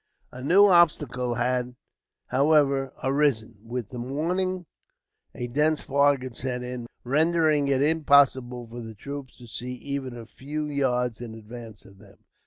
A new obstacle had, however, arisen. With the morning a dense fog had set in, rendering it impossible for the troops to see even a few yards in advance of them.